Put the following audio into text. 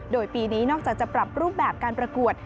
โดยปีนี้นอกจากจะปรับรูปแบบการประกวด